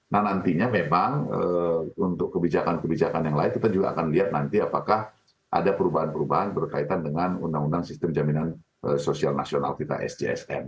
nah nantinya memang untuk kebijakan kebijakan yang lain kita juga akan lihat nanti apakah ada perubahan perubahan berkaitan dengan undang undang sistem jaminan sosial nasional kita sjsn